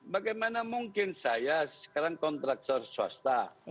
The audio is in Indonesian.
bagaimana mungkin saya sekarang kontraktor swasta